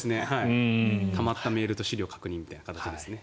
たまったメールと資料確認みたいな形ですね。